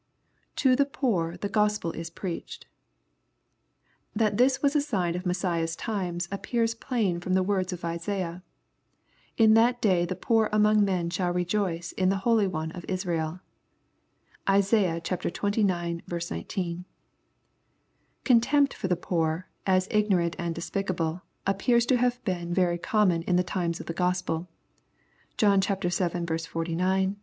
[To the poor the Oospd is preached.] That this was a sign of Messiah's times appears plain from the words of Isaiah :*' In that day the poor among men shall rejoice in the holy one of Israel.'* (Isa. xzix. 19.) Contempt for the poor, as ignorant and despicable, appears to have been very common in the times of the Gospel (John vii.